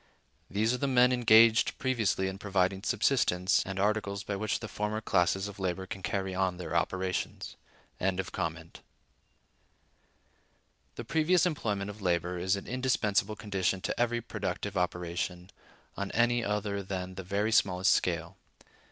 These are the men engaged previously in providing the subsistence, and articles by which the former classes of labor can carry on their operations. The previous employment of labor is an indispensable condition to every productive operation, on any other than the very smallest scale.